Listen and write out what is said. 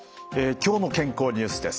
「きょうの健康ニュース」です。